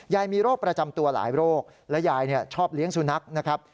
มีโรคประจำตัวหลายโรคและยายชอบเลี้ยงสุนัขนะครับ